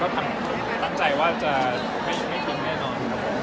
ก็ทำใจว่าจะไม่ทิ้งแน่นอน